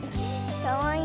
かわいい。